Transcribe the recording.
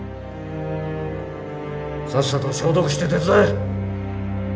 さっさと消毒して手伝え！